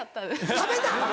食べた！